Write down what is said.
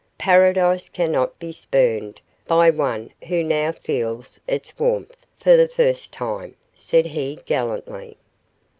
"Paradise cannot be spurned by one who now feels its warmth for the first time," said he, gallantly.